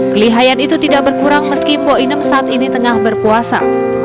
kelihayan itu tidak berkurang meski mbo inem saat ini tengah berpuasa